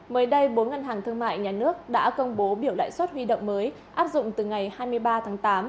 mới đây bốn ngân hàng thương mại nhà nước đã công bố biểu lãi suất huy động mới áp dụng từ ngày hai mươi ba tháng tám